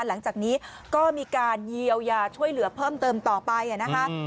หลังจากนี้ก็มีการเยียวยาช่วยเหลือเพิ่มเติมต่อไปนะคะ